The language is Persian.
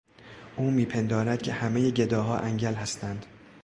او میپندارد که همهی گداها انگل هستند.